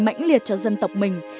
mạnh liệt cho dân tộc mình